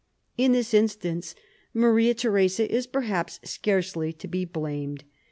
In this instance Maria Theresa is perhaps scarcely to be blamed.